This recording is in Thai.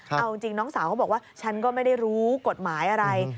เอาจริงน้องสาวเขาบอกว่าฉันก็ไม่ได้รู้กฎหมายอะไร